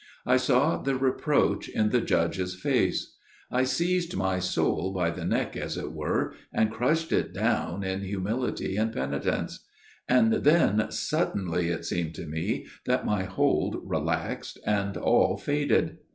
I saw the reproach in the Judge's face. I seized my soul by the neck, as it were, and crushed it down 112 A MIRROR OF SHALOTT in humility and penitence. And then suddenly it seemed to me that my hold relaxed, and all faded.